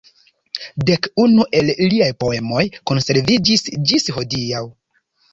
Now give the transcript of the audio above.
Dek unu el liaj poemoj konserviĝis ĝis hodiaŭ.